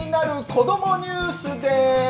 こどもニュースです。